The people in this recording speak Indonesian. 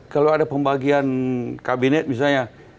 kalau ada pembagian kabinet misalnya